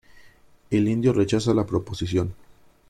El indio rechaza la proposición.